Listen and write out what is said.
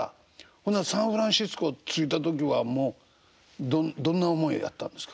ほなサンフランシスコ着いた時はもうどんな思いだったんですか？